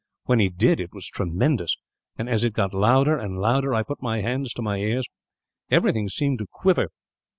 When he did, it was tremendous and, as it got louder and louder, I put my hands to my ears. Everything seemed to quiver.